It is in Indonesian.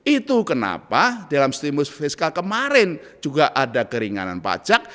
itu kenapa dalam stimulus fiskal kemarin juga ada keringanan pajak